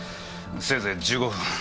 せいぜい１５分。